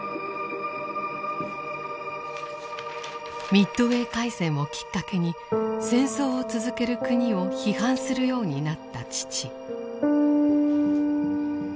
ミッドウェー海戦をきっかけに戦争を続ける国を批判するようになった父。